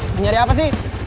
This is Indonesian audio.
mencari apa sih